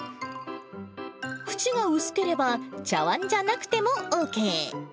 縁が薄ければ、茶わんじゃなくてもＯＫ。